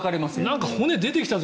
なんか骨出てきたぞ